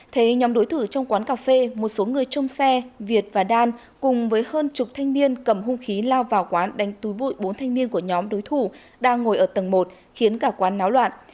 thấy nhóm đối thủ trong quán cà phê một số người trong xe việt và đan cùng với hơn chục thanh niên cầm hung khí lao vào quán đánh túi vội bốn thanh niên của nhóm đối thủ đang ngồi ở tầng một khiến cả quán náo loạn